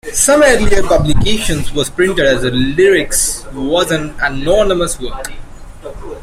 Some earlier publications was printed as the lyrics was an anonymous work.